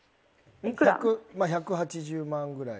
１８０万くらい。